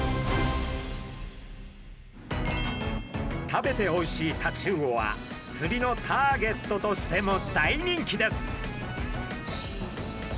食べておいしいタチウオはつりのターゲットとしても大人気です。